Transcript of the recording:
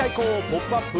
「ポップＵＰ！」